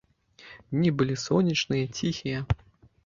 Дні былі сонечныя, ціхія.